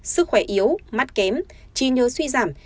sức khỏe yếu mắt kém chi nhớ suy giảm